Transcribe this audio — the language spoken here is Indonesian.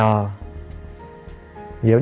sama ngeliat sel